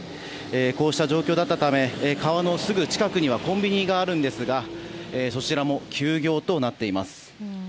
こうした状況だったため川のすぐ近くにはコンビニがあるんですがそちらも休業となっています。